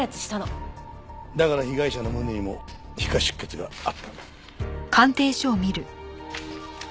だから被害者の胸にも皮下出血があったんだな。